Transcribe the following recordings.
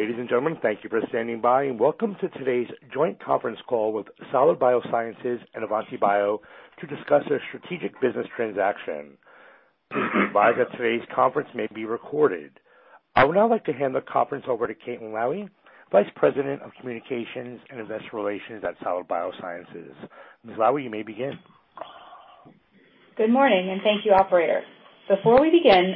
Ladies and gentlemen, thank you for standing by, and welcome to today's joint conference call with Solid Biosciences and AavantiBio to discuss their strategic business transaction. Please be advised that today's conference may be recorded. I would now like to hand the conference over to Caitlin Lowie, Vice President of Communications and Investor Relations at Solid Biosciences. Ms. Lowie, you may begin. Good morning, and thank you, operator. Before we begin,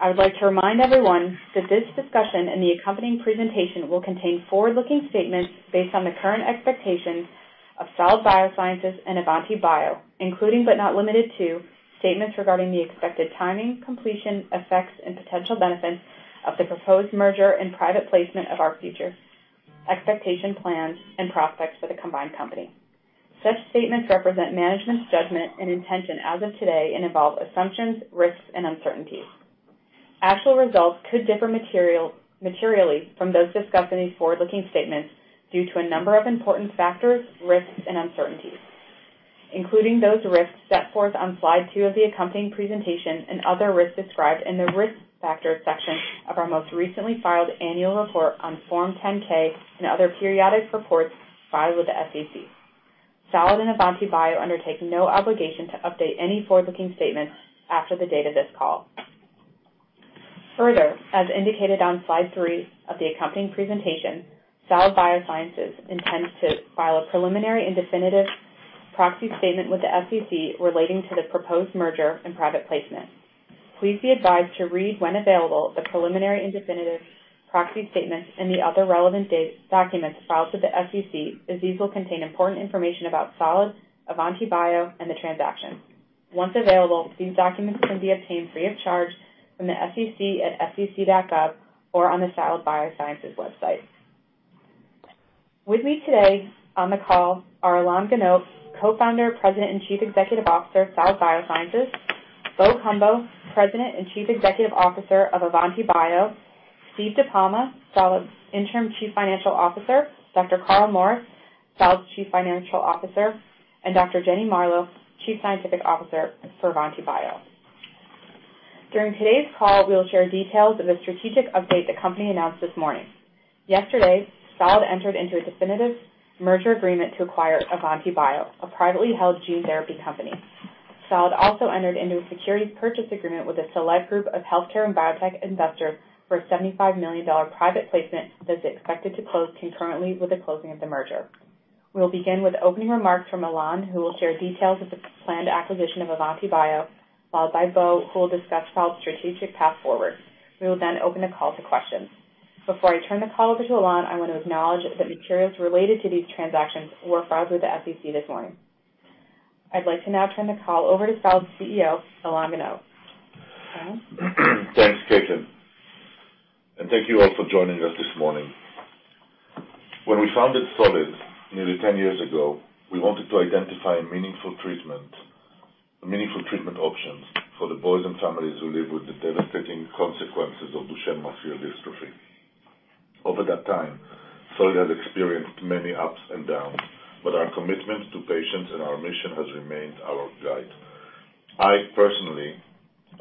I would like to remind everyone that this discussion and the accompanying presentation will contain forward-looking statements based on the current expectations of Solid Biosciences and AavantiBio, including but not limited to, statements regarding the expected timing, completion, effects and potential benefits of the proposed merger and private placement of our future expectations, plans and prospects for the combined company. Such statements represent management's judgment and intention as of today, and involve assumptions, risks, and uncertainties. Actual results could differ materially from those discussed in these forward-looking statements due to a number of important factors, risks and uncertainties, including those risks set forth on slide two of the accompanying presentation and other risks described in the Risk Factors section of our most recently filed annual report on Form 10-K and other periodic reports filed with the SEC. Solid Biosciences and AavantiBio undertake no obligation to update any forward-looking statements after the date of this call. Further, as indicated on slide three of the accompanying presentation, Solid Biosciences intends to file a preliminary and definitive proxy statement with the SEC relating to the proposed merger and private placement. Please be advised to read when available, the preliminary and definitive proxy statements and the other relevant data, documents filed with the SEC, as these will contain important information about Solid Biosciences, AavantiBio, and the transaction. Once available, these documents can be obtained free of charge from the SEC at sec.gov or on the Solid Biosciences website. With me today on the call are Ilan Ganot, Co-founder, President, and Chief Executive Officer of Solid Biosciences. Bo Cumbo, President and Chief Executive Officer of AavantiBio. Stephen DiPalma, Solid's Interim Chief Financial Officer. Dr.Carl Morris, Solid's Chief Scientific Officer, and Dr. Jenny Marlowe, Chief Scientific Officer for AavantiBio. During today's call, we will share details of a strategic update the company announced this morning. Yesterday, Solid entered into a definitive merger agreement to acquire AavantiBio, a privately held gene therapy company. Solid also entered into a securities purchase agreement with a select group of healthcare and biotech investors for a $75 million private placement that is expected to close concurrently with the closing of the merger. We'll begin with opening remarks from Ilan Ganot, who will share details of the planned acquisition of AavantiBio, followed by Bo Cumbo, who will discuss Solid's strategic path forward. We will then open the call to questions. Before I turn the call over to Ilan Ganot, I want to acknowledge that materials related to these transactions were filed with the SEC this morning. I'd like to now turn the call over to Solid's CEO, Ilan Ganot. Ilan? Thanks, Caitlin, and thank you all for joining us this morning. When we founded Solid nearly ten years ago, we wanted to identify meaningful treatment options for the boys and families who live with the devastating consequences of Duchenne muscular dystrophy. Over that time, Solid has experienced many ups and downs, but our commitment to patients and our mission has remained our guide. I personally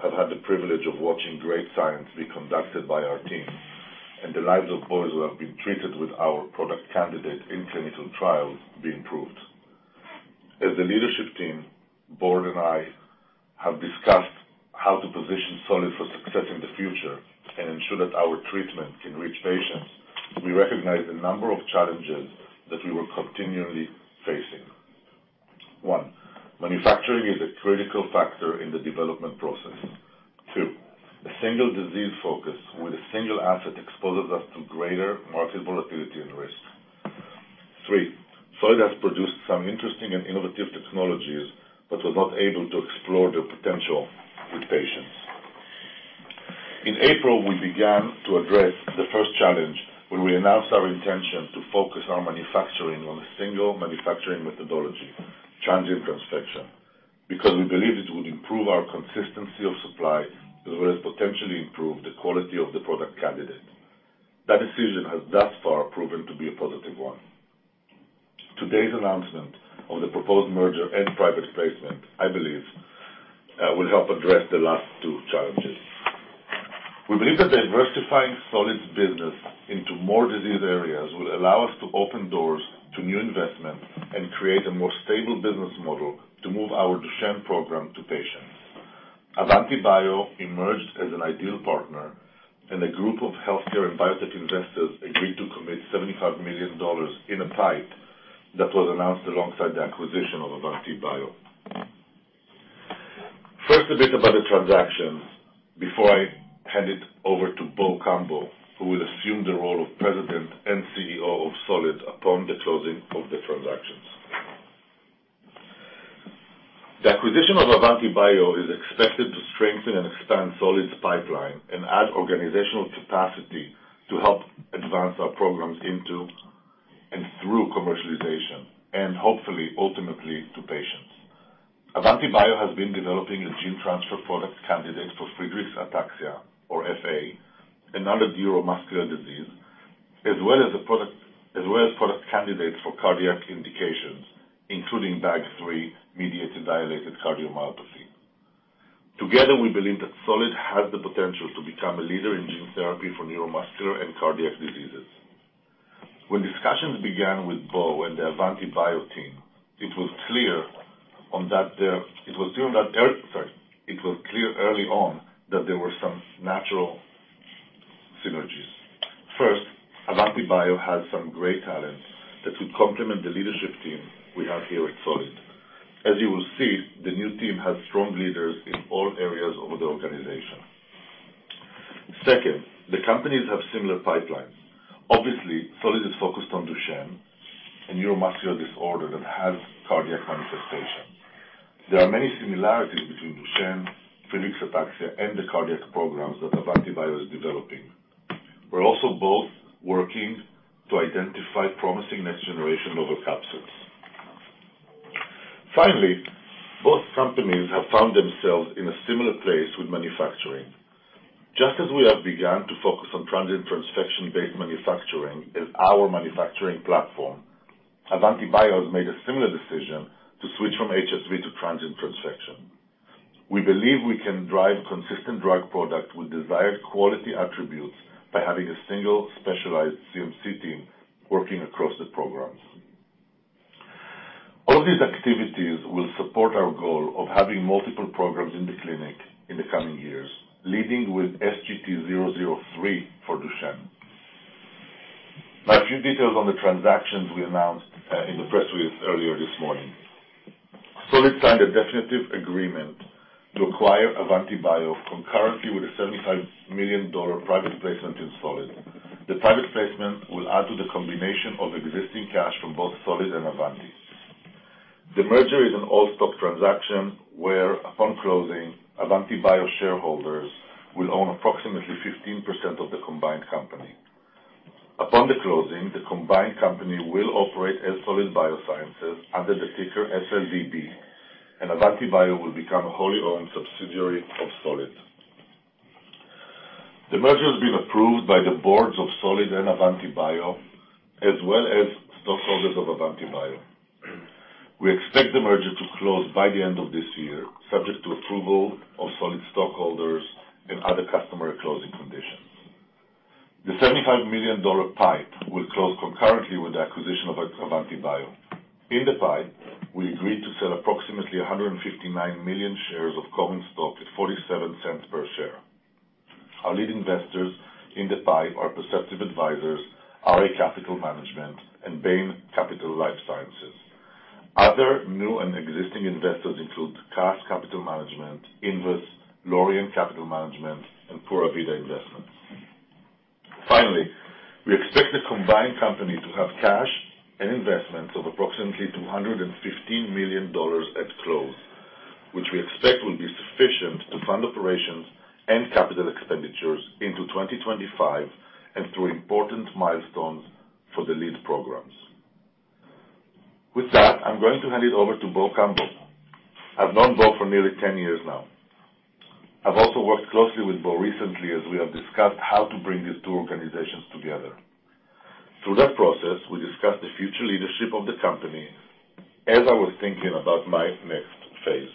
have had the privilege of watching great science be conducted by our team and the lives of boys who have been treated with our product candidate in clinical trials be improved. As the leadership team, Board and I have discussed how to position Solid for success in the future and ensure that our treatment can reach patients, we recognize the number of challenges that we were continually facing. One, manufacturing is a critical factor in the development process. Two, a single disease focus with a single asset exposes us to greater market volatility and risk. Three, Solid has produced some interesting and innovative technologies but were not able to explore their potential with patients. In April, we began to address the first challenge when we announced our intention to focus our manufacturing on a single manufacturing methodology, transient transfection, because we believed it would improve our consistency of supply as well as potentially improve the quality of the product candidate. That decision has thus far proven to be a positive one. Today's announcement of the proposed merger and private placement, I believe, will help address the last two challenges. We believe that diversifying Solid's business into more disease areas will allow us to open doors to new investment and create a more stable business model to move our Duchenne program to patients. AavantiBio emerged as an ideal partner and a group of healthcare and biotech investors agreed to commit $75 million in a PIPE that was announced alongside the acquisition of AavantiBio. First, a bit about the transactions before I hand it over to Bo Cumbo, who will assume the role of President and CEO of Solid upon the closing of the transactions. The acquisition of AavantiBio is expected to strengthen and expand Solid's pipeline and add organizational capacity to help advance our programs into and through commercialization, and hopefully ultimately to patients. AavantiBio has been developing a gene transfer product candidate for Friedreich's ataxia or FA, another neuromuscular disease as well as a product, as well as product candidates for cardiac indications, including BAG3-mediated dilated cardiomyopathy. Together, we believe that Solid has the potential to become a leader in gene therapy for neuromuscular and cardiac diseases. When discussions began with Bo Cumbo and the AavantiBio team, it was clear early on that there were some natural synergies. First, AavantiBio has some great talent that would complement the leadership team we have here at Solid. As you will see, the new team has strong leaders in all areas of the organization. Second, the companies have similar pipelines. Obviously, Solid is focused on Duchenne, a neuromuscular disorder that has cardiac manifestation. There are many similarities between Duchenne, Friedreich's ataxia, and the cardiac programs that AavantiBio is developing. We're also both working to identify promising next-generation AAV capsids. Finally, both companies have found themselves in a similar place with manufacturing. Just as we have begun to focus on transient transfection-based manufacturing as our manufacturing platform, AavantiBio has made a similar decision to switch from HSV to transient transfection. We believe we can drive consistent drug product with desired quality attributes by having a single specialized CMC team working across the programs. All these activities will support our goal of having multiple programs in the clinic in the coming years, leading with SGT-003 for Duchenne. Now, a few details on the transactions we announced in the press release earlier this morning. Solid signed a definitive agreement to acquire AavantiBio concurrently with a $75 million private placement in Solid. The private placement will add to the combination of existing cash from both Solid and AavantiBio. The merger is an all-stock transaction where, upon closing, AavantiBio shareholders will own approximately 15% of the combined company. Upon the closing, the combined company will operate as Solid Biosciences under the ticker SLVB, and AavantiBio will become a wholly owned subsidiary of Solid. The merger has been approved by the boards of Solid and AavantiBio, as well as stockholders of AavantiBio. We expect the merger to close by the end of this year, subject to approval of Solid stockholders and other customary closing conditions. The $75 million PIPE will close concurrently with the acquisition of AavantiBio. In the PIPE, we agreed to sell approximately 159 million shares of common stock at $0.47 per share. Our lead investors in the PIPE are Perceptive Advisors, RA Capital Management, and Bain Capital Life Sciences. Other new and existing investors include Casdin Capital Management, Invus, Laurion Capital Management, and Pura Vida Investments. Finally, we expect the combined company to have cash and investments of approximately $215 million at close, which we expect will be sufficient to fund operations and capital expenditures into 2025 and through important milestones for the lead programs. With that, I'm going to hand it over to Bo Cumbo. I've known Bo Cumbo for nearly 10 years now. I've also worked closely with Bo Cumbo recently as we have discussed how to bring these two organizations together. Through that process, we discussed the future leadership of the company as I was thinking about my next phase.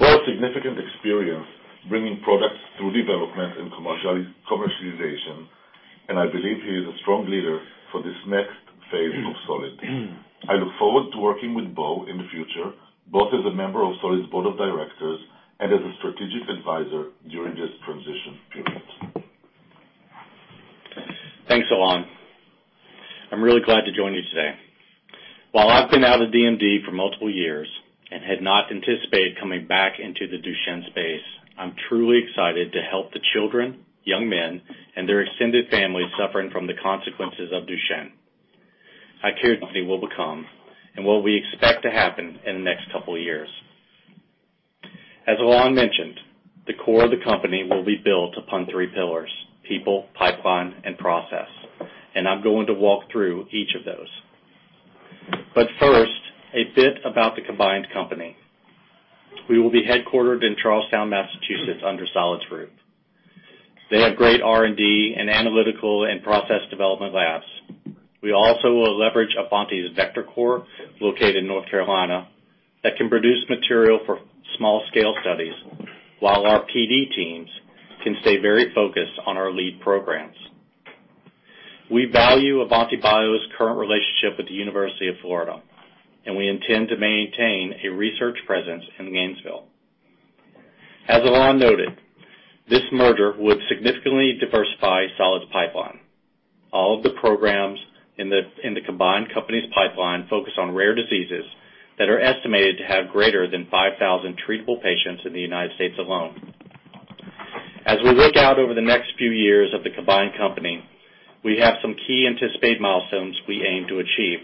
Bo Cumbo has significant experience bringing products through development and commercialization, and I believe he is a strong leader for this next phase of Solid. I look forward to working with Bo Cumbo in the future, both as a member of Solid's board of directors and as a strategic advisor during this transition period. Thanks, Ilan. I'm really glad to join you today. While I've been out of DMD for multiple years and had not anticipated coming back into the Duchenne space, I'm truly excited to help the children, young men, and their extended families suffering from the consequences of Duchenne. I'll share what the company will become and what we expect to happen in the next couple of years. As Ilan mentioned, the core of the company will be built upon three pillars: people, pipeline, and process. I'm going to walk through each of those. First, a bit about the combined company. We will be headquartered in Charlestown, Massachusetts, under Solid's roof. They have great R&D and analytical and process development labs. We also will leverage AavantiBio's vector core, located in North Carolina, that can produce material for small-scale studies while our PD teams can stay very focused on our lead programs. We value AavantiBio's current relationship with the University of Florida, and we intend to maintain a research presence in Gainesville. As Ilan noted, this merger would significantly diversify Solid's pipeline. All of the programs in the combined company's pipeline focus on rare diseases that are estimated to have greater than 5,000 treatable patients in the United States alone. As we look out over the next few years of the combined company, we have some key anticipated milestones we aim to achieve.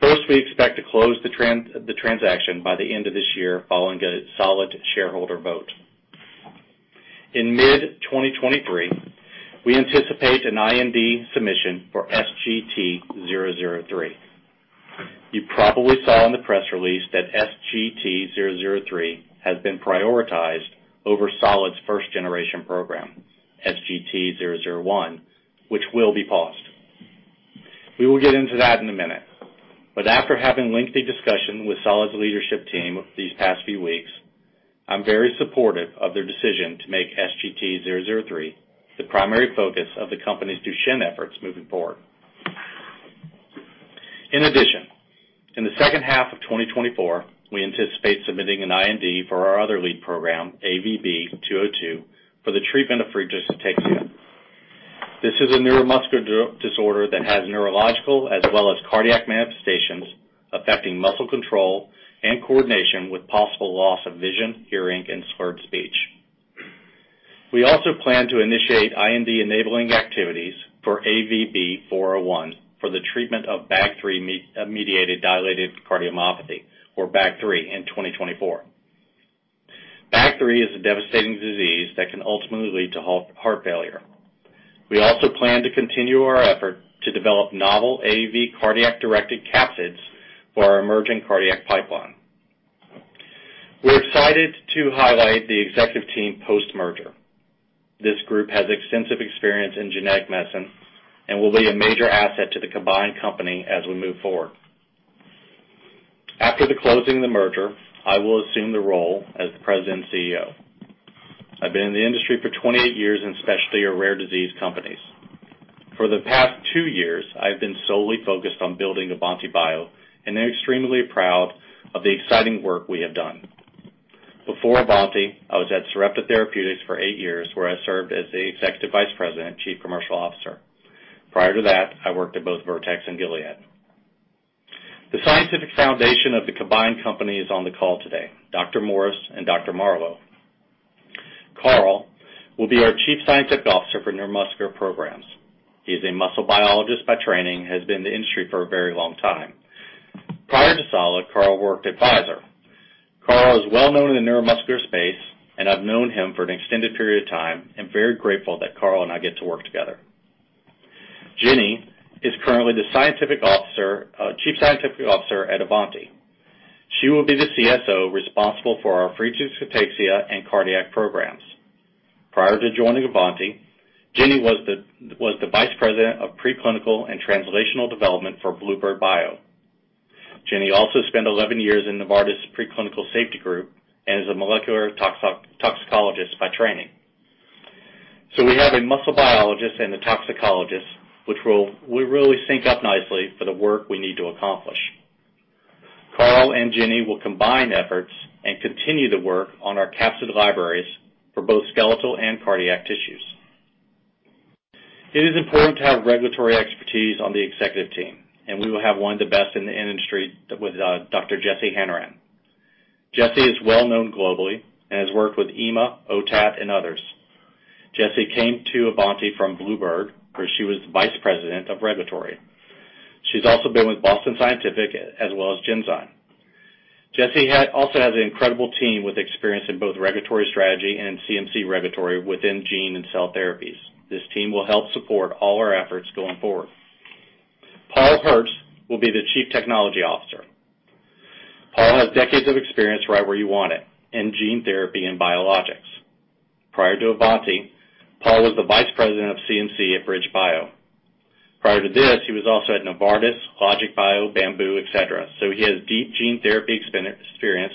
First, we expect to close the transaction by the end of this year following a Solid shareholder vote. In mid-2023, we anticipate an IND submission for SGT-003. You probably saw in the press release that SGT-003 has been prioritized over Solid's first-generation program, SGT-001, which will be paused. We will get into that in a minute. After having lengthy discussion with Solid's leadership team these past few weeks, I'm very supportive of their decision to make SGT-003 the primary focus of the company's Duchenne efforts moving forward. In addition, in the second half of 2024, we anticipate submitting an IND for our other lead program, AVB-202, for the treatment of Friedreich's ataxia. This is a neuromuscular disorder that has neurological as well as cardiac manifestations affecting muscle control and coordination, with possible loss of vision, hearing, and slurred speech. We also plan to initiate IND-enabling activities for AVB-401 for the treatment of BAG3-mediated dilated cardiomyopathy, or BAG3, in 2024. BAG3 is a devastating disease that can ultimately lead to heart failure. We also plan to continue our effort to develop novel AAV cardiac-directed capsids for our emerging cardiac pipeline. We're excited to highlight the executive team post-merger. This group has extensive experience in genetic medicine and will be a major asset to the combined company as we move forward. After the closing of the merger, I will assume the role as the President and CEO. I've been in the industry for 28 years in specialty or rare disease companies. For the past two years, I've been solely focused on building AavantiBio and am extremely proud of the exciting work we have done. Before AavantiBio, I was at Sarepta Therapeutics for eight years, where I served as the Executive Vice President and Chief Commercial Officer. Prior to that, I worked at both Vertex and Gilead. The scientific foundation of the combined company is on the call today, Dr. Carl Morris and Dr. Jenny Marlowe. Carl will be our Chief Scientific Officer for neuromuscular programs. He is a muscle biologist by training, has been in the industry for a very long time. Prior to Solid, Carl worked at Pfizer. Carl is well known in the neuromuscular space, and I've known him for an extended period of time and very grateful that Carl and I get to work together. Jenny is currently the scientific officer, Chief Scientific Officer at AavantiBio. She will be the CSO responsible for our Friedreich's ataxia and cardiac programs. Prior to joining AavantiBio, Jenny was the Vice President of Preclinical and Translational Development for bluebird bio. Jenny also spent 11 years in Novartis Preclinical Safety Group and is a molecular toxicologist by training. We have a muscle biologist and a toxicologist, which will we really sync up nicely for the work we need to accomplish. Carl and Jenny will combine efforts and continue the work on our capsid libraries for both skeletal and cardiac tissues. It is important to have regulatory expertise on the executive team, and we will have one of the best in the industry with Dr. Jessie Hanrahan. Jessie is well-known globally and has worked with EMA, OTAT, and others. Jessie came to AavantiBio from bluebird bio, where she was Vice President of Regulatory. She's also been with Boston Scientific as well as Genzyme. Jessie also has an incredible team with experience in both regulatory strategy and CMC regulatory within gene and cell therapies. This team will help support all our efforts going forward. Paul Herzlich will be the Chief Technology Officer. Paul has decades of experience right where you want it, in gene therapy and biologics. Prior to AavantiBio, Paul was the Vice President of CMC at BridgeBio. Prior to this, he was also at Novartis, LogicBio, Bamboo, et cetera. He has deep gene therapy experience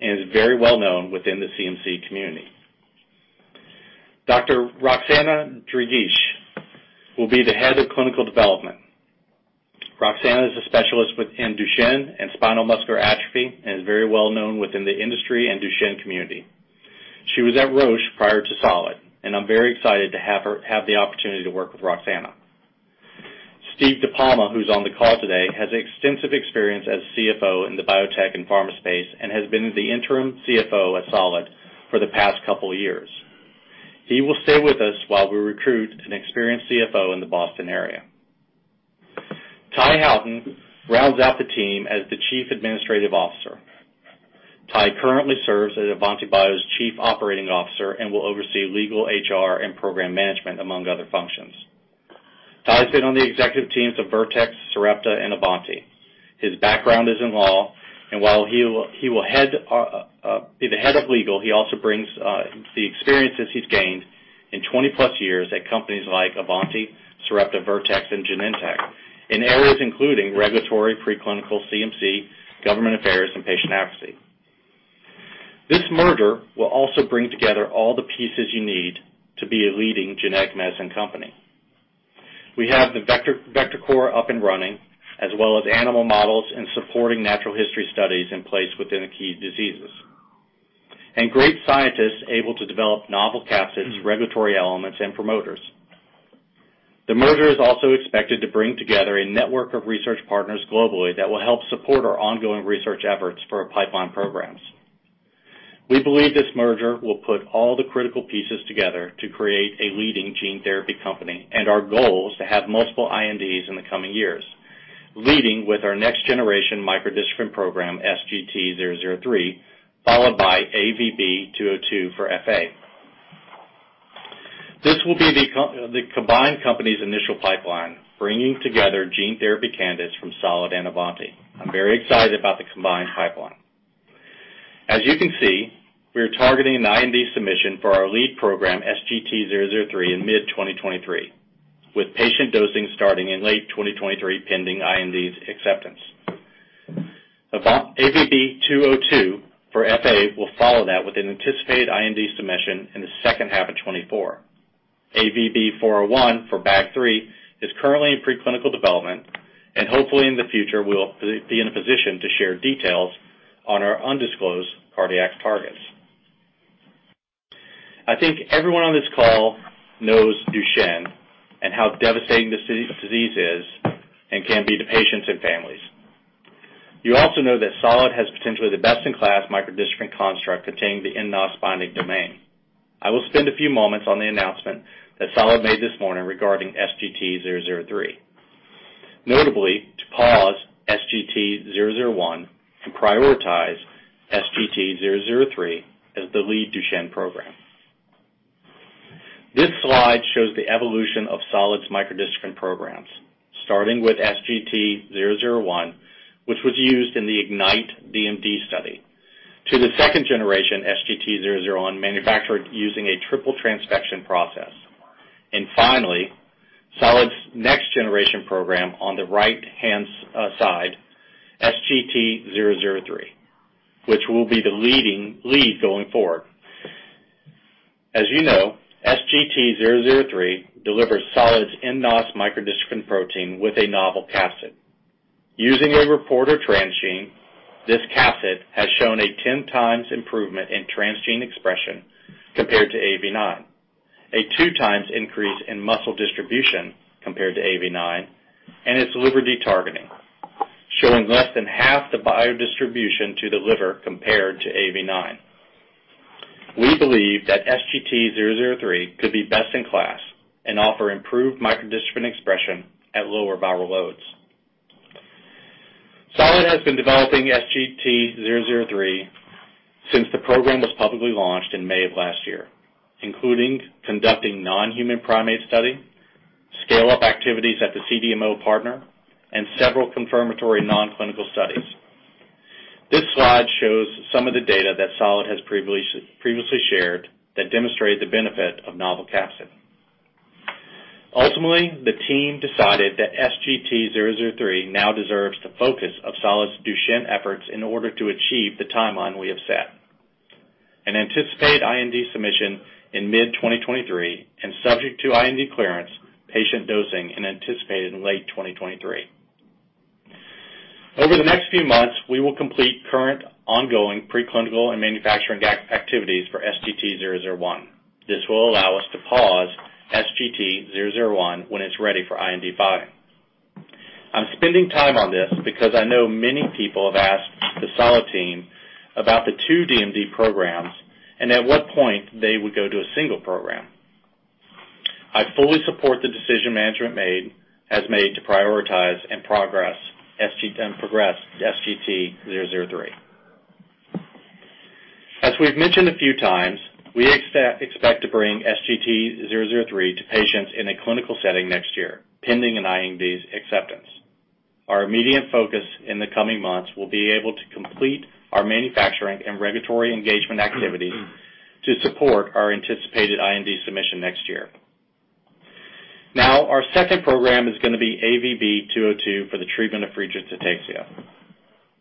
and is very well-known within the CMC community. Dr. Roxana Donisanu will be the Head of Clinical Development. Roxana is a specialist within Duchenne and spinal muscular atrophy and is very well-known within the industry and Duchenne community. She was at Roche prior to Solid, and I'm very excited to have the opportunity to work with Roxana. Steve DiPalma, who's on the call today, has extensive experience as CFO in the biotech and pharma space and has been the interim CFO at Solid for the past couple years. He will stay with us while we recruit an experienced CFO in the Boston area. Ty Howton rounds out the team as the Chief Administrative Officer. Ty currently serves as AavantiBio's Chief Operating Officer and will oversee legal, HR, and program management, among other functions. Ty's been on the executive teams of Vertex, Sarepta, and AavantiBio. His background is in law, and while he will be the head of legal, he also brings the experiences he's gained in 20-plus years at companies like AavantiBio, Sarepta, Vertex, and Genentech in areas including regulatory, preclinical, CMC, government affairs, and patient advocacy. This merger will also bring together all the pieces you need to be a leading genetic medicine company. We have the vector core up and running, as well as animal models and supporting natural history studies in place within the key diseases, and great scientists able to develop novel capsids, regulatory elements, and promoters. The merger is also expected to bring together a network of research partners globally that will help support our ongoing research efforts for our pipeline programs. We believe this merger will put all the critical pieces together to create a leading gene therapy company, and our goal is to have multiple INDs in the coming years, leading with our next-generation microdystrophin program, SGT003, followed by AVB202 for FA. This will be the combined company's initial pipeline, bringing together gene therapy candidates from Solid and AavantiBio. I'm very excited about the combined pipeline. As you can see, we are targeting an IND submission for our lead program SGT-003 in mid-2023, with patient dosing starting in late 2023, pending IND's acceptance. AVB-202 for FA will follow that with an anticipated IND submission in the second half of 2024. AVB-401 for BAG3 is currently in preclinical development and hopefully in the future we'll be in a position to share details on our undisclosed cardiac targets. I think everyone on this call knows Duchenne and how devastating this disease is and can be to patients and families. You also know that Solid has potentially the best in class microdystrophin construct containing the nNOS binding domain. I will spend a few moments on the announcement that Solid made this morning regarding SGT-003, notably to pause SGT-001 and prioritize SGT-003 as the lead Duchenne program. This slide shows the evolution of Solid's microdystrophin programs, starting with SGT-001, which was used in the IGNITE DMD study, to the second generation SGT-001 manufactured using a triple transfection process. Finally, Solid's next generation program on the right-hand side SGT-003, which will be the lead going forward. As you know, SGT-003 delivers Solid's nNOS microdystrophin protein with a novel cassette. Using a reporter transgene, this cassette has shown a 10 times improvement in transgene expression compared to AAV9, a two times increase in muscle distribution compared to AAV9, and its liver detargeting, showing less than half the biodistribution to the liver compared to AAV9. We believe that SGT-003 could be best in class and offer improved microdystrophin expression at lower viral loads. Solid has been developing SGT-003 since the program was publicly launched in May of last year, including conducting non-human primate study, scale-up activities at the CDMO partner, and several confirmatory non-clinical studies. This slide shows some of the data that Solid has previously shared that demonstrate the benefit of novel cassette. Ultimately, the team decided that SGT-003 now deserves the focus of Solid's Duchenne efforts in order to achieve the timeline we have set. An anticipated IND submission in mid-2023 and subject to IND clearance, patient dosing anticipated in late 2023. Over the next few months, we will complete current ongoing preclinical and manufacturing activities for SGT-001. This will allow us to pause SGT-001 when it's ready for IND filing. I'm spending time on this because I know many people have asked the Solid team about the two DMD programs and at what point they would go to a single program. I fully support the decision management has made to prioritize and progress SGT-003. As we've mentioned a few times, we expect to bring SGT-003 to patients in a clinical setting next year, pending an IND's acceptance. Our immediate focus in the coming months will be able to complete our manufacturing and regulatory engagement activities to support our anticipated IND submission next year. Our second program is gonna be AVB-202 for the treatment of Friedreich's ataxia.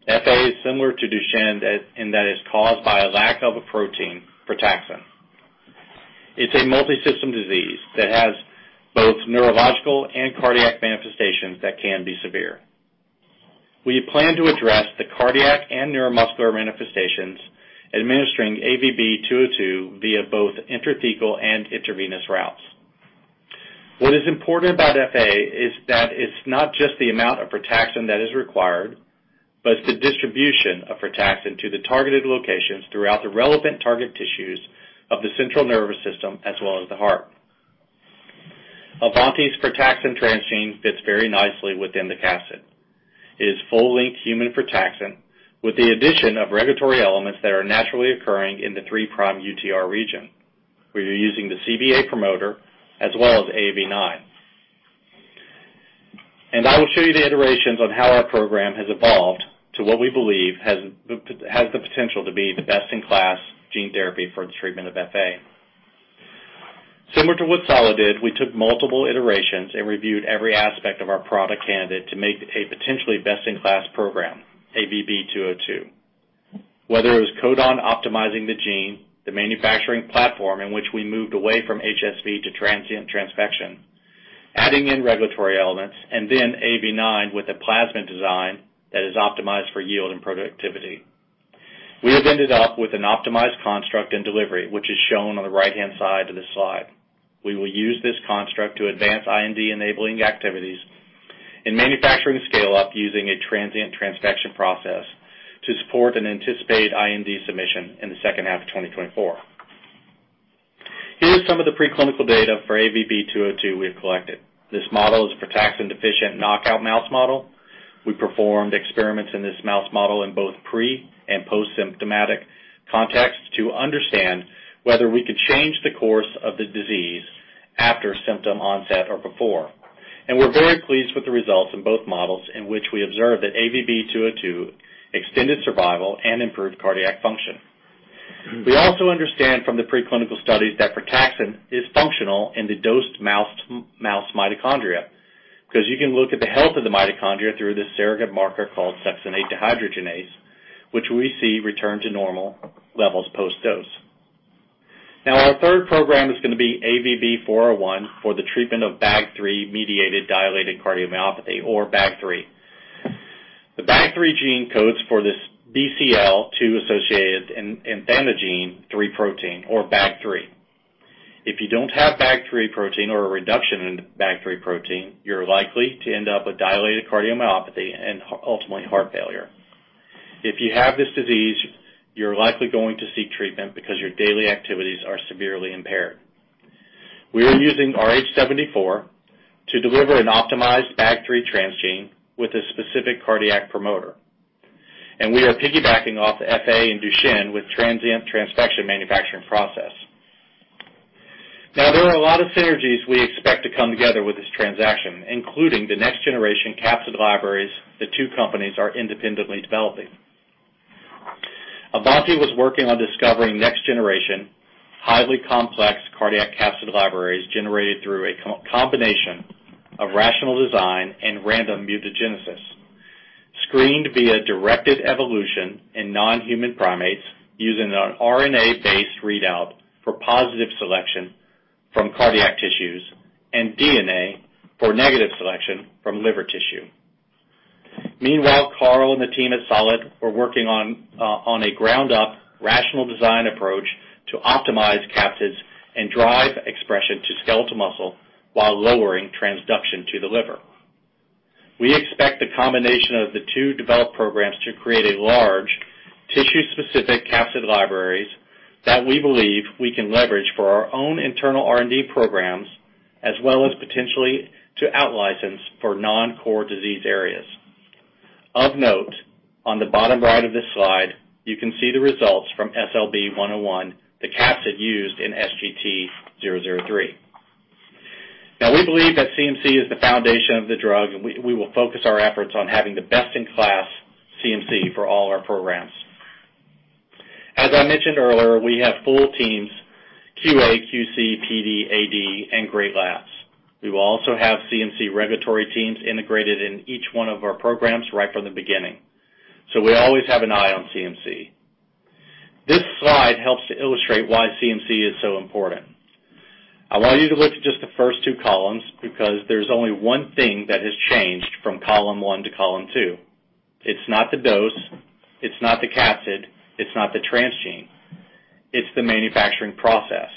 FA is similar to Duchenne in that it's caused by a lack of a protein, frataxin. It's a multi-system disease that has both neurological and cardiac manifestations that can be severe. We plan to address the cardiac and neuromuscular manifestations administering AVB-202 via both intrathecal and intravenous routes. What is important about FA is that it's not just the amount of frataxin that is required, but it's the distribution of frataxin to the targeted locations throughout the relevant target tissues of the central nervous system, as well as the heart. AavantiBio's frataxin transgene fits very nicely within the cassette. It is full length human frataxin with the addition of regulatory elements that are naturally occurring in the 3' UTR region. We are using the CBA promoter as well as AAV9. I will show you the iterations on how our program has evolved to what we believe has the potential to be the best in class gene therapy for the treatment of FA. Similar to what Solid did, we took multiple iterations and reviewed every aspect of our product candidate to make a potentially best in class program, AVB-202. Whether it was codon optimizing the gene, the manufacturing platform in which we moved away from HSV to transient transfection, adding in regulatory elements, and then AAV9 with a plasmid design that is optimized for yield and productivity. We have ended up with an optimized construct and delivery, which is shown on the right-hand side of this slide. We will use this construct to advance IND enabling activities and manufacturing scale up using a transient transfection process to support an anticipated IND submission in the second half of 2024. Here is some of the preclinical data for AVB-202 we have collected. This model is frataxin deficient knockout mouse model. We performed experiments in this mouse model in both pre and post-symptomatic context to understand whether we could change the course of the disease after symptom onset or before. We're very pleased with the results in both models in which we observed that AVB-202 extended survival and improved cardiac function. We also understand from the preclinical studies that frataxin is functional in the dosed mouse mitochondria, 'cause you can look at the health of the mitochondria through this surrogate marker called succinate dehydrogenase, which we see return to normal levels post-dose. Our third program is gonna be AVB-401 for the treatment of BAG3-mediated dilated cardiomyopathy or BAG3. The BAG3 gene codes for this BCL2-associated athanogene 3 protein or BAG3. If you don't have BAG3 protein or a reduction in BAG3 protein, you're likely to end up with dilated cardiomyopathy and ultimately heart failure. If you have this disease, you're likely going to seek treatment because your daily activities are severely impaired. We are using rh74 to deliver an optimized BAG3 transgene with a specific cardiac promoter. We are piggybacking off FA in Duchenne with transient transfection manufacturing process. There are a lot of synergies we expect to come together with this transaction, including the next generation capsid libraries the two companies are independently developing. AavantiBio was working on discovering next generation, highly complex cardiac capsid libraries generated through a combination of rational design and random mutagenesis, screened via directed evolution in non-human primates using an RNA-based readout for positive selection from cardiac tissues and DNA for negative selection from liver tissue. Meanwhile, Carl and the team at Solid Biosciences were working on a ground up rational design approach to optimize capsids and drive expression to skeletal muscle while lowering transduction to the liver. We expect the combination of the two developed programs to create a large tissue-specific capsid libraries that we believe we can leverage for our own internal R&D programs, as well as potentially to out-license for non-core disease areas. Of note, on the bottom right of this slide, you can see the results from SLB-101, the capsid used in SGT-003. Now, we believe that CMC is the foundation of the drug and we will focus our efforts on having the best in class CMC for all our programs. As I mentioned earlier, we have full teams, QA, QC, PD, AD, and great labs. We will also have CMC regulatory teams integrated in each one of our programs right from the beginning, so we always have an eye on CMC. This slide helps to illustrate why CMC is so important. I want you to look at just the first two columns, because there's only one thing that has changed from column one to column two. It's not the dose, it's not the capsid, it's not the transgene, it's the manufacturing process.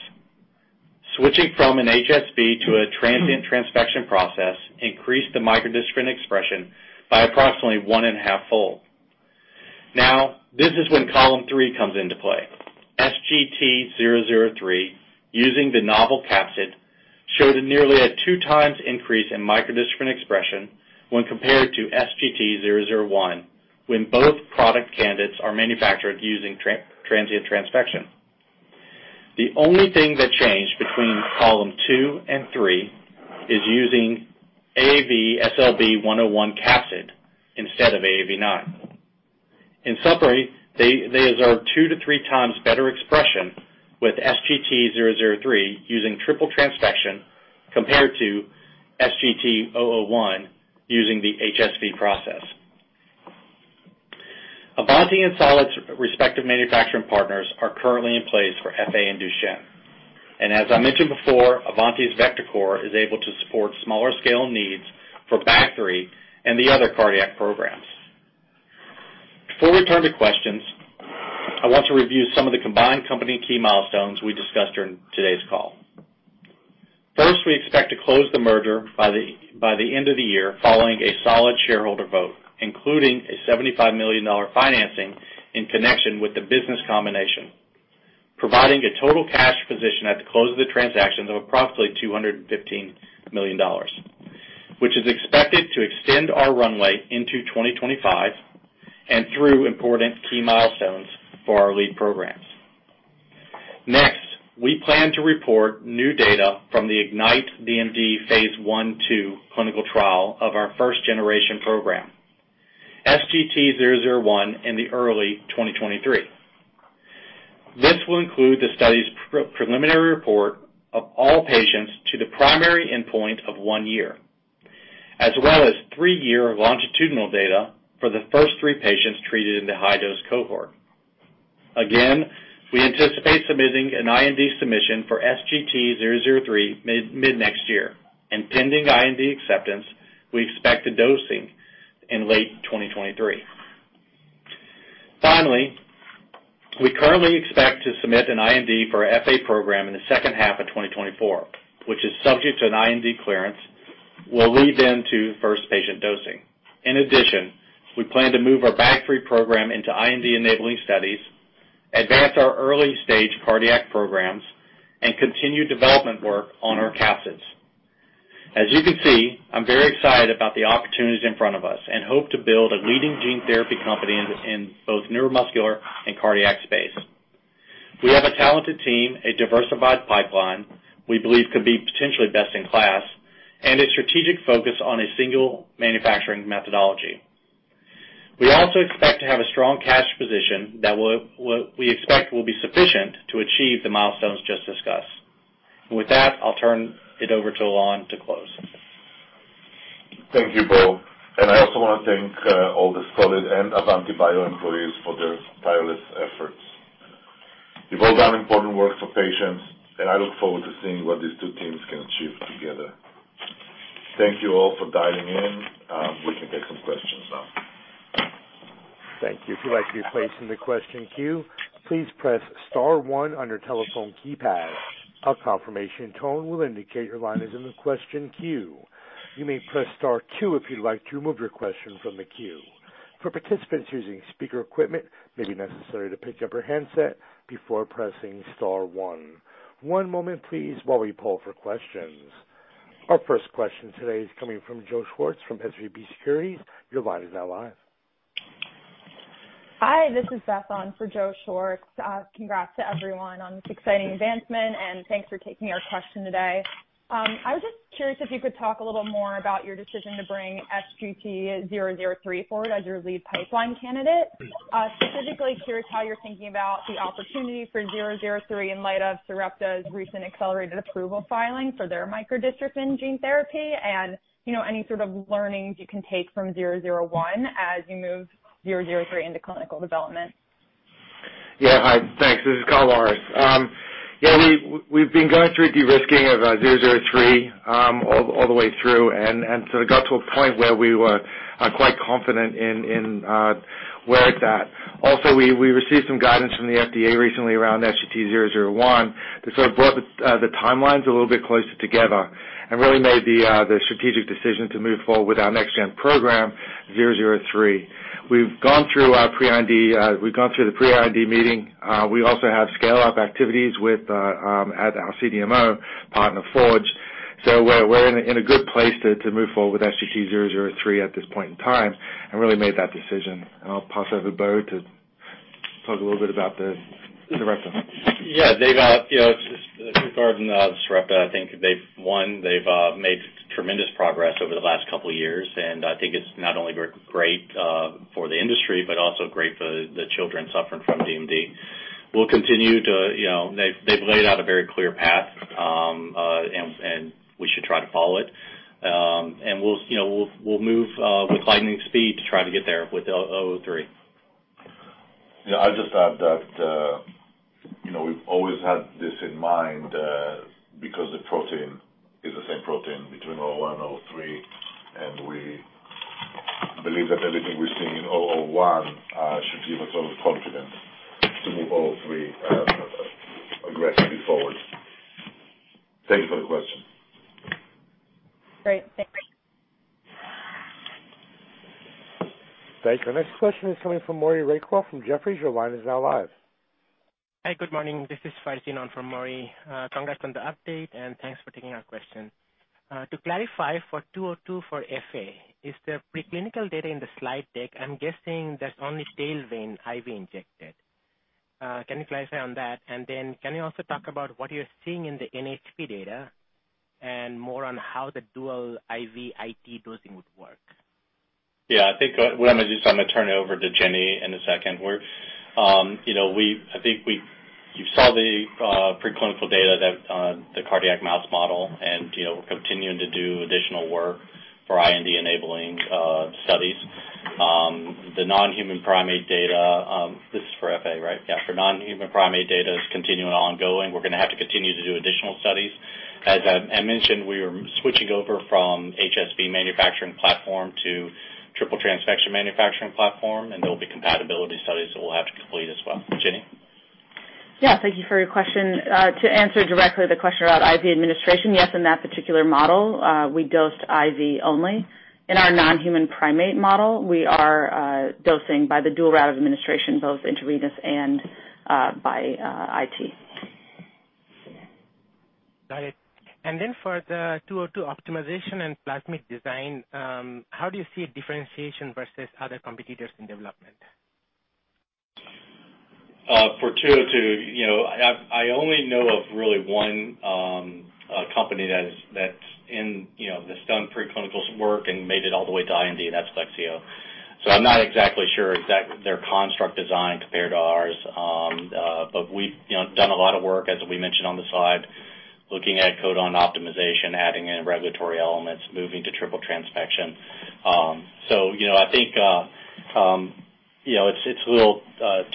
Switching from an HSV to a transient transfection process increased the microdystrophin expression by approximately 1.5-fold. Now, this is when column three comes into play. SGT-003, using the novel capsid, showed nearly two times increase in microdystrophin expression when compared to SGT-001, when both product candidates are manufactured using transient transfection. The only thing that changed between column two and three is using AAV-SLB101 capsid instead of AAV9. In summary, they observed two to three times better expression with SGT-003 using triple transfection compared to SGT-001 using the HSV process. AavantiBio and Solid Biosciences' respective manufacturing partners are currently in place for FA and Duchenne. As I mentioned before, AavantiBio's VectorCore is able to support smaller scale needs for BAG-3 and the other cardiac programs. Before we turn to questions, I want to review some of the combined company key milestones we discussed during today's call. First, we expect to close the merger by the end of the year following a Solid shareholder vote, including a $75 million financing in connection with the business combination, providing a total cash position at the close of the transaction of approximately $215 million, which is expected to extend our runway into 2025 and through important key milestones for our lead programs. Next, we plan to report new data from the IGNITE-DMD Phase I/II clinical trial of our first generation program, SGT-001, in the early 2023. This will include the study's preliminary report of all patients to the primary endpoint of one year, as well as three-year longitudinal data for the first three patients treated in the high-dose cohort. We anticipate submitting an IND submission for SGT-003 mid next year, and pending IND acceptance, we expect the dosing in late 2023. Finally, we currently expect to submit an IND for our FA program in the second half of 2024, which, subject to an IND clearance, will lead then to first patient dosing. In addition, we plan to move our BAG3 program into IND enabling studies, advance our early stage cardiac programs, and continue development work on our capsids. As you can see, I'm very excited about the opportunities in front of us and hope to build a leading gene therapy company in both neuromuscular and cardiac space. We have a talented team, a diversified pipeline we believe could be potentially best in class, and a strategic focus on a single manufacturing methodology. We also expect to have a strong cash position that we expect will be sufficient to achieve the milestones just discussed. With that, I'll turn it over to Ilan Ganot to close. Thank you, Bo, and I also wanna thank all the Solid and AavantiBio employees for their tireless efforts. You've all done important work for patients, and I look forward to seeing what these two teams can achieve together. Thank you all for dialing in. We can take some questions now. Thank you. If you'd like to be placed in the question queue, please press star one on your telephone keypad. A confirmation tone will indicate your line is in the question queue. You may press star two if you'd like to remove your question from the queue. For participants using speaker equipment, it may be necessary to pick up your handset before pressing star one. One moment please while we poll for questions. Our first question today is coming from Joe Schwartz from SVB Securities. Your line is now live. Hi, this is Beth on for Joe Schwartz. Congrats to everyone on this exciting advancement, and thanks for taking our question today. I was just curious if you could talk a little more about your decision to bring SGT-003 forward as your lead pipeline candidate. Specifically curious how you're thinking about the opportunity for SGT-003 in light of Sarepta's recent accelerated approval filing for their microdystrophin gene therapy. You know, any sort of learnings you can take from SGT-001 as you move SGT-003 into clinical development. Yeah. Hi. Thanks. This is Carl Morris. Yeah, we've been going through de-risking of 003 all the way through. It got to a point where we were quite confident in where it's at. We received some guidance from the FDA recently around SGT-001 that sort of brought the timelines a little bit closer together and really made the strategic decision to move forward with our next gen program, 003. We've gone through our pre-IND. We've gone through the pre-IND meeting. We also have scale-up activities with our CDMO partner, Forge. We're in a good place to move forward with SGT-003 at this point in time and really made that decision. I'll pass over to Bo Cumbo to talk a little bit about the direction. Yeah. They've you know, just with regard to the Sarepta, I think they've made tremendous progress over the last couple years, and I think it's not only great for the industry, but also great for the children suffering from DMD. We'll continue to you know, they've laid out a very clear path, and we should try to follow it. We'll you know, move with lightning speed to try to get there with SGT-003. I'll just add that, you know, we've always had this in mind, because the protein is the same protein between SGT-001 and SGT-003, and we believe that everything we're seeing in SGT-001 should give us all the confidence to move SGT-003 aggressively forward. Thank you for the question. Great. Thank you. Thank you. Next question is coming from Maury Raycroft from Jefferies. Your line is now live. Hi. Good morning. This is Farzin from Maury. Congrats on the update, and thanks for taking our question. To clarify for 202 for FA, is there preclinical data in the slide deck? I'm guessing that's only tail vein IV injected. Can you clarify on that? And then can you also talk about what you're seeing in the NHP data and more on how the dual IV IT dosing would work? Yeah. I think what I'm gonna do is I'm gonna turn it over to Jenny Marlowe in a second. We're, you know, you saw the preclinical data that the cardiac mouse model and, you know, we're continuing to do additional work for IND-enabling studies. The non-human primate data, this is for FA, right? Yeah. For non-human primate data is continuing ongoing. We're gonna have to continue to do additional studies. As I mentioned, we are switching over from HSV manufacturing platform to triple transfection manufacturing platform, and there will be compatibility studies that we'll have to complete as well. Jenny Marlowe? Yeah. Thank you for your question. To answer directly the question about IV administration, yes, in that particular model, we dosed IV only. In our non-human primate model, we are dosing by the dual route of administration, both intravenous and by IT. Got it. For the AVB-202 optimization and plasmid design, how do you see a differentiation versus other competitors in development? For AVB-202, you know, I only know of really one company that's done preclinical work and made it all the way to IND, and that's Lexeo. I'm not exactly sure exactly their construct design compared to ours. But we've, you know, done a lot of work, as we mentioned on the slide, looking at codon optimization, adding in regulatory elements, moving to triple transfection. You know, I think, you know, it's a little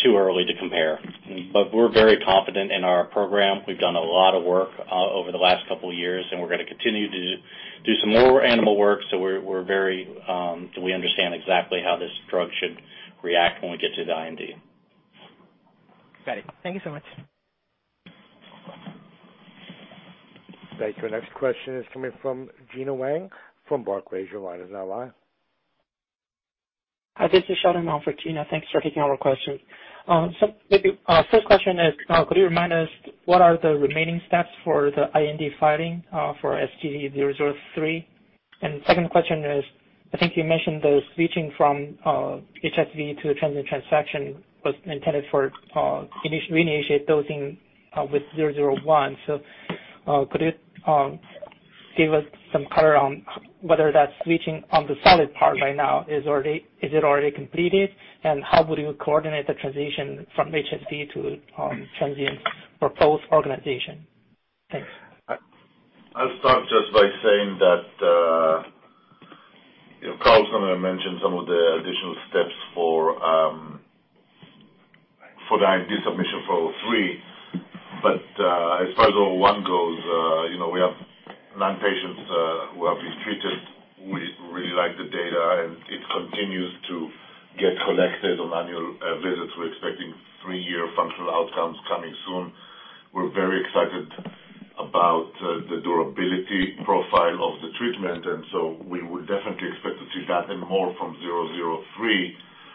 too early to compare, but we're very confident in our program. We've done a lot of work over the last couple years, and we're gonna continue to do some more animal work. We're very confident. We understand exactly how this drug should react when we get to the IND. Got it. Thank you so much. Thank you. Next question is coming from Gena Wang from Barclays. Your line is now live. Hi, this is Sheldon Monfortina. Thanks for taking our question. Maybe first question is could you remind us what are the remaining steps for the IND filing for SGT-003? Second question is, I think you mentioned the switching from HSV to a transient transfection was intended for reinitiate dosing with SGT-001. Could you give us some color on whether that switching on the Solid side right now is already completed? How would you coordinate the transition from HSV to transient transfection? Thanks. I'll start just by saying that, you know, Carl's gonna mention some of the additional steps for the IND submission for 003. As far as 001 goes, you know, we have nine patients who have been treated. We really like the data, and it continues to get collected on annual visits. We're expecting three-year functional outcomes coming soon. We're very excited about the durability profile of the treatment, and so we would definitely expect to see that and more from 003.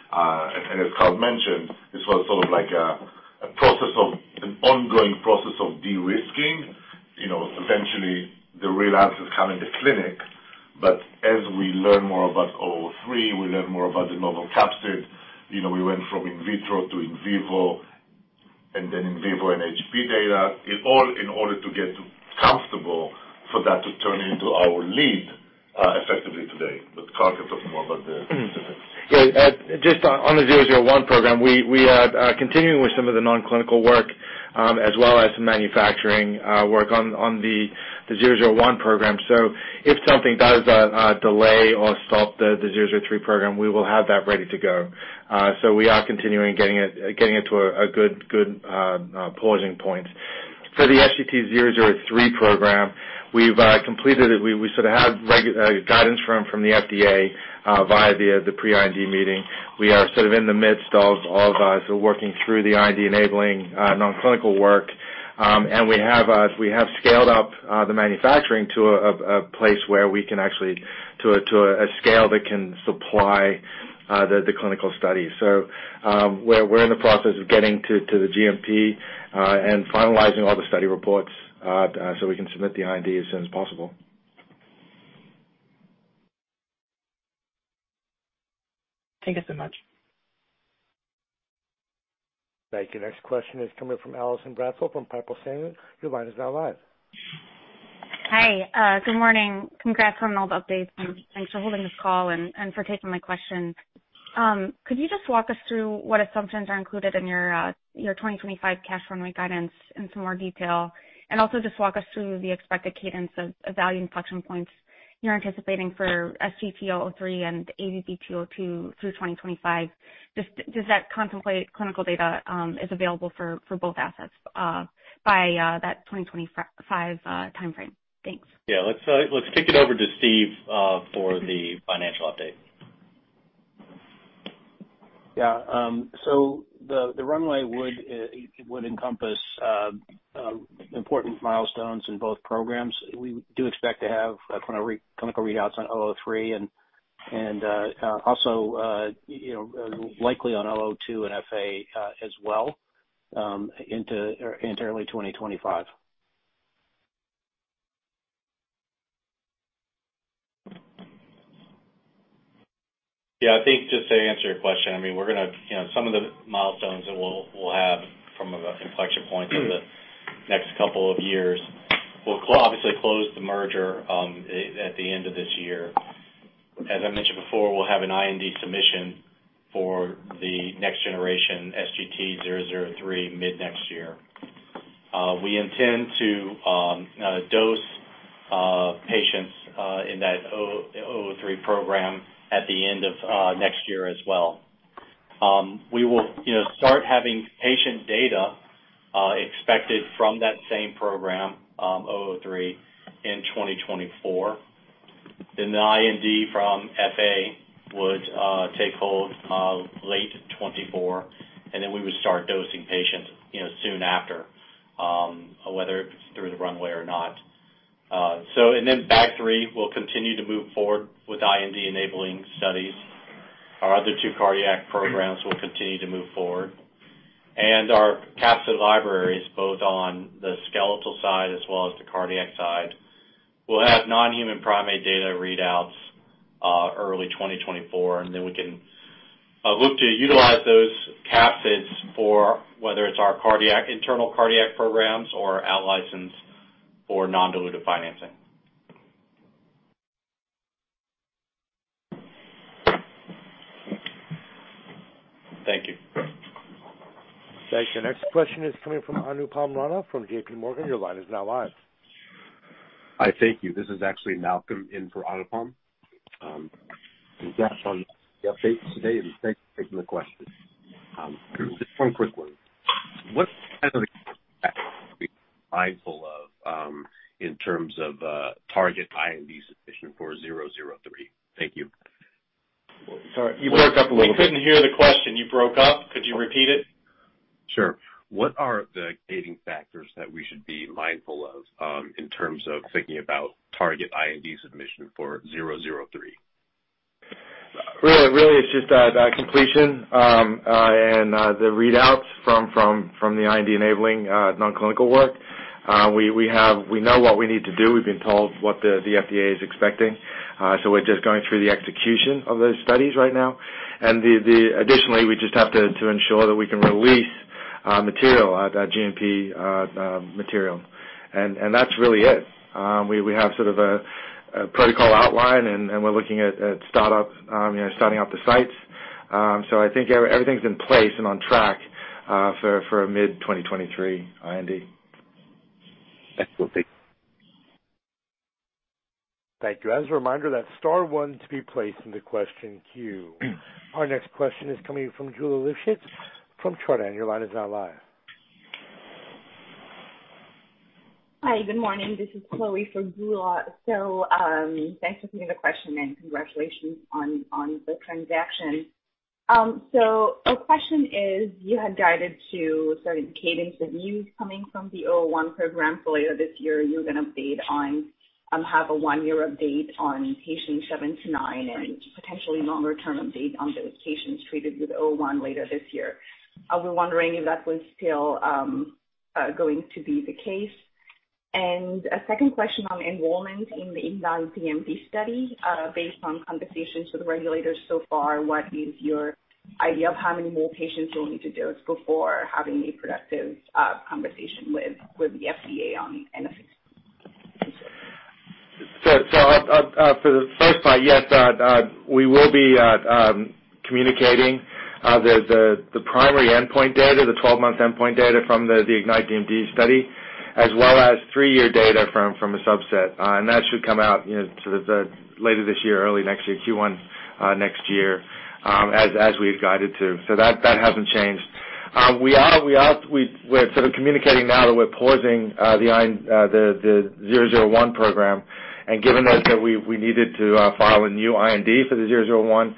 And as Carl mentioned, this was sort of like a process of an ongoing process of de-risking. You know, eventually the real answers come in the clinic, but as we learn more about 003, we learn more about the novel capsid. You know, we went from in vitro to in vivo, and then in vivo and NHP data, in all in order to get comfortable for that to turn into our lead, effectively today. Carl can talk more about the specifics. Just on the SGT-001 program, we are continuing with some of the non-clinical work, as well as the manufacturing work on the SGT-001 program. If something does delay or stop the SGT-003 program, we will have that ready to go. We are continuing getting it to a good pausing point. For the SGT-003 program, we've completed it. We sort of have guidance from the FDA via the pre-IND meeting. We are sort of in the midst of sort of working through the IND-enabling non-clinical work. We have scaled up the manufacturing to a scale that can supply the clinical study. We're in the process of getting to the GMP and finalizing all the study reports so we can submit the IND as soon as possible. Thank you so much. Thank you. Next question is coming from Allison Bratzel from Piper Sandler. Your line is now live. Hi. Good morning. Congrats on all the updates, and thanks for holding this call and for taking my questions. Could you just walk us through what assumptions are included in your 2025 cash runway guidance in some more detail? Also just walk us through the expected cadence of value inflection points you're anticipating for SGT-003 and AVB-202 through 2025. Does that contemplate clinical data is available for both assets by that 2025 timeframe? Thanks. Yeah. Let's kick it over to Steve for the financial update. Yeah. The runway would encompass important milestones in both programs. We do expect to have clinical readouts on 003 and also, you know, likely on 002 and FA as well into early 2025. Yeah. I think just to answer your question, I mean, we're gonna, you know, some of the milestones that we'll have from an inflection point of the next couple of years, we'll obviously close the merger at the end of this year. As I mentioned before, we'll have an IND submission for the next generation SGT-003 mid-next year. We intend to dose patients in that SGT-003 program at the end of next year as well. We will, you know, start having patient data expected from that same program, SGT-003 in 2024. Then the IND from FA would take hold late 2024, and then we would start dosing patients, you know, soon after, whether through the runway or not. BAG3 will continue to move forward with IND-enabling studies. Our other two cardiac programs will continue to move forward. Our capsid libraries, both on the skeletal side as well as the cardiac side, will have non-human primate data readouts early 2024. Then we can look to utilize those capsids for whether it's our cardiac, internal cardiac programs or out-license or non-dilutive financing. Thank you. Thanks. The next question is coming from Anupam Rama from JPMorgan. Your line is now live. Hi. Thank you. This is actually Malcolm in for Anupam Rama. Congrats on the updates today, and thanks for taking the questions. Just one quick one. What can we be mindful of in terms of target IND submission for 003? Thank you. Sorry. You broke up a little bit. We couldn't hear the question. You broke up. Could you repeat it? Sure. What are the gating factors that we should be mindful of, in terms of thinking about target IND submission for zero zero three? Really it's just the completion and the readouts from the IND-enabling non-clinical work. We know what we need to do. We've been told what the FDA is expecting. So we're just going through the execution of those studies right now. Additionally, we just have to ensure that we can release GMP material. That's really it. We have sort of a protocol outline, and we're looking at startup, you know, starting up the sites. So I think everything's in place and on track for a mid-2023 IND. Excellent. Thank you. Thank you. As a reminder, that's star one to be placed into question queue. Our next question is coming from Geulah Livshits from Chardan. Your line is now live. Hi. Good morning. This is Chloe for Geulah. Thanks for taking the question and congratulations on the transaction. Our question is you had guided to certain cadence of news coming from the SGT-001 program for later this year. You're gonna have a one-year update on patients seven to nine. Right. Potentially longer term update on those patients treated with SGT-001 later this year. I was wondering if that was still going to be the case. A second question on enrollment in the IGNITE DMD study. Based on conversations with regulators so far, what is your idea of how many more patients you'll need to dose before having a productive conversation with the FDA on the SGT-003? Thank you, sir. For the first part, yes, we will be communicating the primary endpoint data, the 12-month endpoint data from the IGNITE DMD study, as well as three-year data from a subset. And that should come out, you know, sort of later this year, early next year, Q1 next year, as we've guided to. That hasn't changed. We are communicating now that we're pausing the 001 program. Given that we needed to file a new IND for the 001,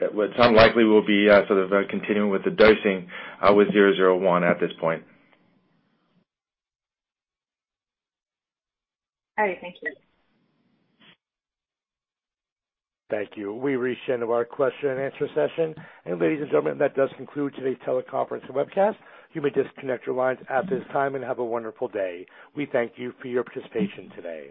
it's unlikely we'll be sort of continuing with the dosing with 001 at this point. All right. Thank you. Thank you. We've reached the end of our question and answer session. Ladies and gentlemen, that does conclude today's teleconference and webcast. You may disconnect your lines at this time and have a wonderful day. We thank you for your participation today.